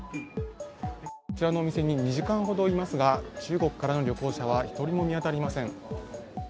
こちらのお店に２時間ほどいますが、中国からの旅行者は一人も見当たりません。